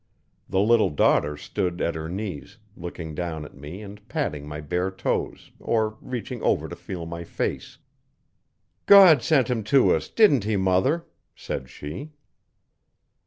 The little daughter stood at her knees, looking down at me and patting my bare toes or reaching over to feel my face. 'God sent him to us didn't he, mother?' said she.